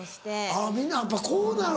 あぁみんなやっぱこうなる。